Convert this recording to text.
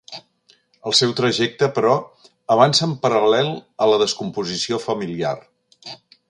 El seu trajecte, però, avança en paral·lel a la descomposició familiar.